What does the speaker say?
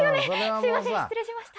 すみません失礼しました！